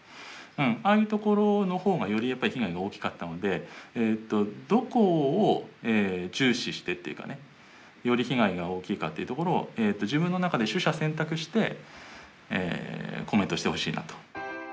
ああいうところのほうがより被害が大きかったのでどこを重視してというかより被害が大きいかというところを自分の中で取捨選択してコメントしてほしいなと。